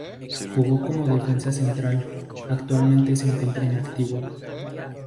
Jugó como defensa central, actualmente se encuentra inactivo.